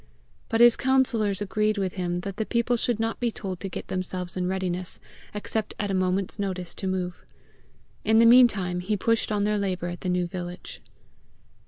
But his councillors agreed with him that the people should not be told to get themselves in readiness except at a moment's notice to move. In the meantime he pushed on their labour at the new village.